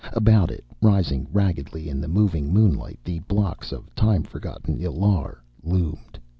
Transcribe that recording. About it, rising raggedly in the moving moonlight, the blocks of time forgotten Illar loomed.